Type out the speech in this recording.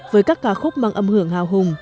với các ca khúc mang âm hưởng hào hùng